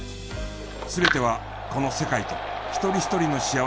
全てはこの世界と一人一人の幸せのために。